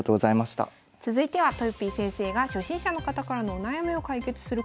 続いてはとよぴー先生が初心者の方からのお悩みを解決するコーナー。